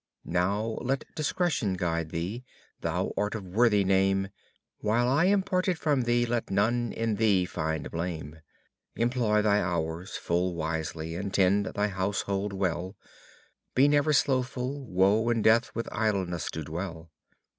Now let discretion guide thee, thou art of worthy name; While I am parted from thee, let none in thee find blame. Employ thy hours full wisely, and tend thy household well, Be never slothful, woe and death with idleness do dwell.